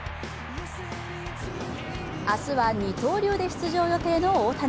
明日は二刀流で出場予定の大谷。